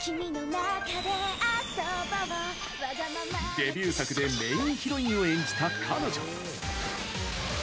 デビュー作でメインヒロインを演じた彼女。